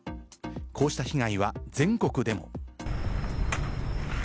こうした被害は全国でも。